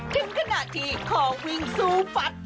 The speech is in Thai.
ถึงขณะที่ขอวิ่งสู้ฟัด